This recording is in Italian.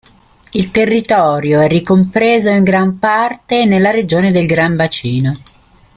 Il territorio è ricompreso in gran parte nella regione del Gran Bacino.